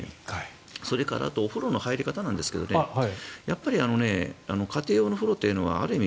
それからお風呂の入り方なんですけど家庭用の風呂というのはある意味